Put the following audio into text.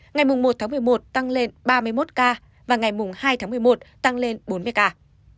ngày một tháng một mươi một tăng lên ba mươi một ca và ngày hai tháng một mươi một tăng lên bốn mươi ca